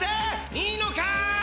いいのか？